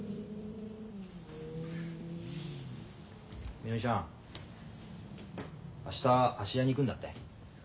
みのりちゃん明日芦屋に行くんだって？